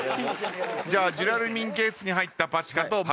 じゃあジュラルミンケースに入ったパチカと。